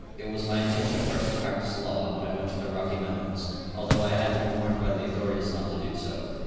It was my intention at first to practice law, when I went to the Rocky Mountains, although I had been warned by the authorities not to do so.